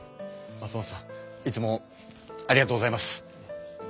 松本さんいつもありがとうございます。